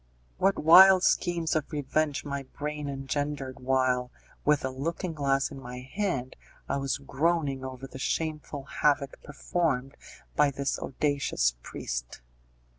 What wild schemes of revenge my brain engendered while, with a looking glass in my hand, I was groaning over the shameful havoc performed by this audacious priest!